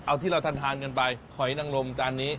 เอาที่เราทานกันไปหอยนังลมจานนี้